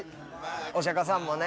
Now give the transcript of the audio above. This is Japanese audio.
お釈迦さんもね